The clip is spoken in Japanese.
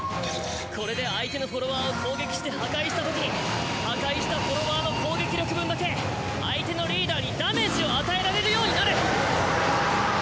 これで相手のフォロワーを攻撃して破壊したとき破壊したフォロワーの攻撃力分だけ相手のリーダーにダメージを与えられるようになる。